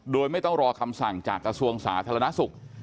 โดยไม่ต้องรอคำสั่งจากกระทรวงสาธารณสุข